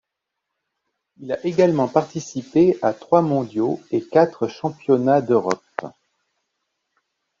Il a également participé à trois mondiaux et quatre Championnat d'Europe.